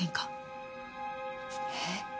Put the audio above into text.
えっ？